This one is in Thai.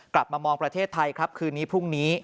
กลับมามองประเทศไทยครับคืนนี้พรุ่งนี้